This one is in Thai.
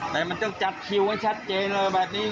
แต่มันต้องจัดคิวให้ชัดเจนเลยแบบนี้